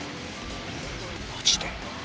マジで？